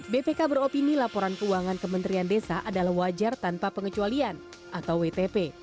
bpk beropini laporan keuangan kementerian desa adalah wajar tanpa pengecualian atau wtp